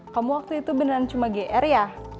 kamu waktu itu beneran cuma gr ya